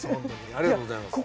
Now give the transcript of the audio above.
ありがとうございます。